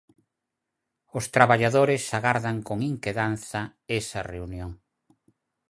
Os traballadores agardan con inquedanza esa reunión.